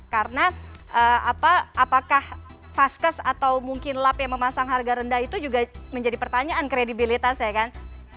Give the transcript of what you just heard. karena apakah paskes atau mungkin lab yang memasang harga rendah itu juga menjadi pertanyaan kredibilitas ya kan